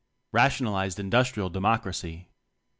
Rationalized Industrial Democracy.